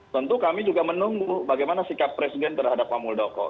tentu kami juga menunggu bagaimana sikap presiden terhadap pak muldoko